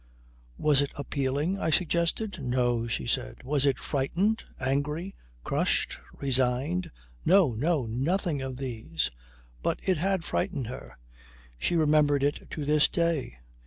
"Was it appealing?" I suggested. "No," she said. "Was it frightened, angry, crushed, resigned?" "No! No! Nothing of these." But it had frightened her. She remembered it to this day.